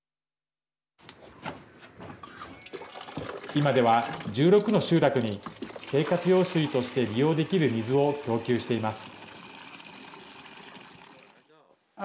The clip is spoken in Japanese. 今では１６の集落に生活用水として利用できる水を供給しています。